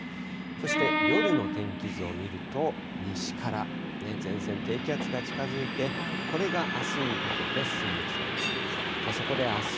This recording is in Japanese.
そして夜の天気図を見ると、西から前線、低気圧が近づいて、これがあすにかけて進んできそうです。